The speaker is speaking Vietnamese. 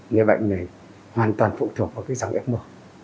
người bệnh này hoàn toàn phụ thuộc vào cái dòng fm